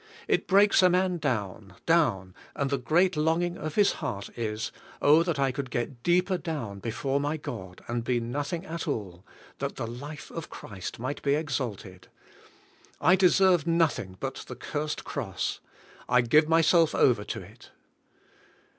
It breaks a man down, down, and the great longing of his heart is, "Oh, that I could get deeper down before my God, and be nothing at all, that the life of Christ might be exalted, I deserve nothing but the cursed cross; I give myself over to it."